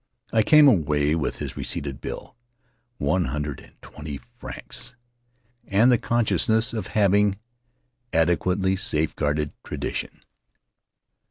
I came away with his receipted bill, one hundred and twenty francs, and the consciousness of having ade quately safeguarded tradition.